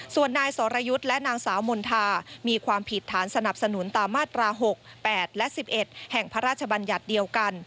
ส่วนนายสรยุทธ์และนางสาวมณฑามีความผิดฐานสนับสนุนตามมาตรา๖๘และ๑๑แห่งพระราชบัญญัติเดียวกัน